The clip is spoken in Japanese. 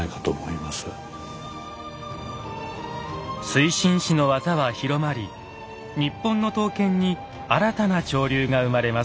水心子の技は広まり日本の刀剣に新たな潮流が生まれます。